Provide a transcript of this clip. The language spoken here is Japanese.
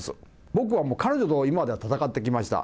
僕はもう、彼女と今までは戦ってきました。